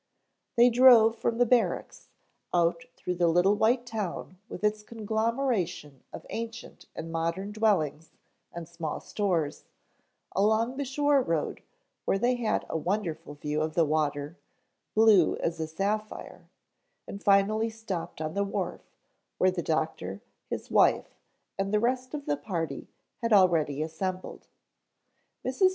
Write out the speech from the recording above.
They drove from the barracks, out though the little white town with its conglomeration of ancient and modern dwellings and small stores, along the shore road where they had a wonderful view of the water, blue as a sapphire, and finally stopped on the wharf where the doctor, his wife and the rest of the party had already assembled. Mrs.